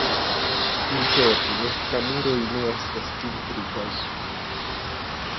Interne la muroj ne estas pentritaj.